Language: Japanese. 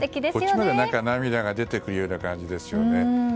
こっちまで涙が出てくるような感じですよね。